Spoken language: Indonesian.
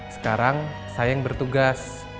sekarang saya yang bertugas